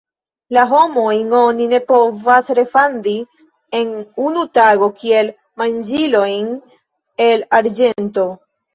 La homojn oni ne povas refandi en unu tago, kiel manĝilojn el arĝento.